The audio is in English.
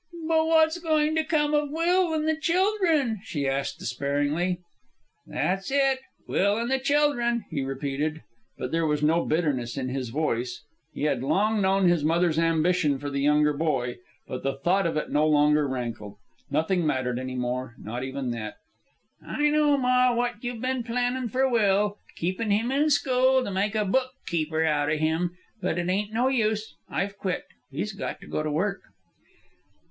"But what's goin' to come of Will an' the children?" she asked despairingly. "That's it, 'Will an' the children,'" he repeated. But there was no bitterness in his voice. He had long known his mother's ambition for the younger boy, but the thought of it no longer rankled. Nothing mattered any more. Not even that. "I know, ma, what you've ben plannin' for Will keepin' him in school to make a book keeper out of him. But it ain't no use, I've quit. He's got to go to work."